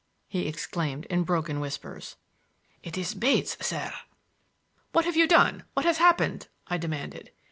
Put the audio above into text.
he exclaimed in broken whispers. "It is Bates, sir." "What have you done; what has happened?" I demanded.